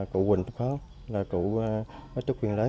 cụ huỳnh thúc kháng là cụ bất chức quyền lớn